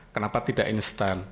kenapa tidak instant